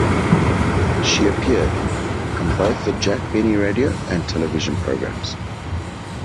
She appeared on both the Jack Benny radio and television programmes.